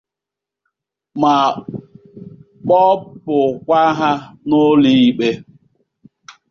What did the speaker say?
ma kpụpụkwa ha ụlọ ikpe.